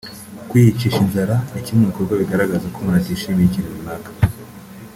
Kwiyicisha inzara ni kimwe mu bikorwa bigaragaza ko umuntu atishimiye ikintu runaka